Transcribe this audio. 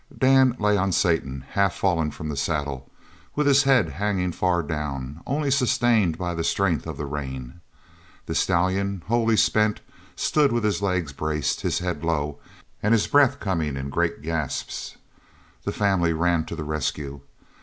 Dan lay on Satan, half fallen from the saddle, with his head hanging far down, only sustained by the strength of the rein. The stallion, wholly spent, stood with his legs braced, his head low, and his breath coming in great gasps. The family ran to the rescue.